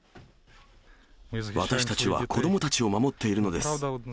私たちは子どもたちを守っているのです。